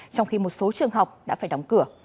trong khi một số trường học đã phải đóng cửa